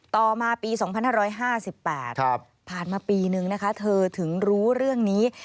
ต่อมาปี๒๕๕๘ผ่านมาปีนึงนะคะเธอถึงรู้เรื่องนี้